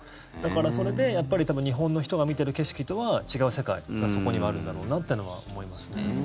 だから、それで日本の人が見ている景色とは違う世界がそこにはあるんだろうなっていうのは思いますね。